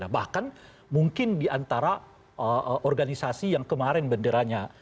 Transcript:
bahkan mungkin di antara organisasi yang kemarin benderanya